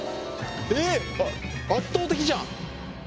えっ圧倒的じゃん。